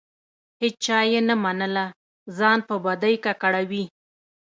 هیچا یې نه منله؛ ځان په بدۍ ککړوي.